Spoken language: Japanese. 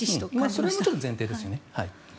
それも前提ですよね。